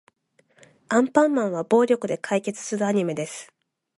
アンパンマンは暴力で解決するアニメです。